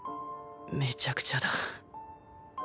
めちゃくちゃだ。